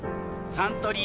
サントリー